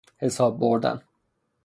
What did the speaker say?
حساب بردن